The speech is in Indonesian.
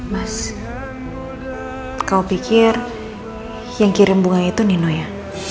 mas kau pikir yang kirim bunga itu nino ya